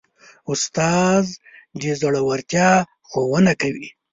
استاد د زړورتیا ښوونه کوي.